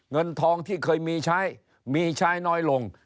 เงินทองที่เคยมีใช้มีใช้น้อยลง